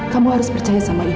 kamu harus percaya sama ibu